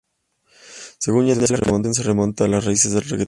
Según Yandel, la canción ""se remonta a las raíces del Reggaetón"".